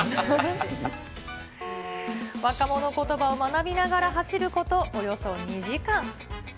若者ことばを学びながら走ることおよそ２時間。